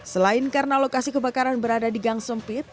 selain karena lokasi kebakaran berada di gang sempit